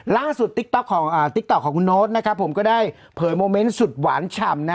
ติ๊กต๊อกของติ๊กต๊อกของคุณโน๊ตนะครับผมก็ได้เผยโมเมนต์สุดหวานฉ่ำนะ